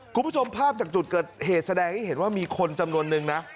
คุณผู้ชมภาพจากจุดเกิดเหตุแสดงให้เห็นว่ามีคนจำนวนนึงนะ